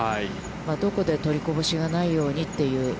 どこで取りこぼしがないようにという。